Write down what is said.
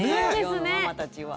世のママたちは。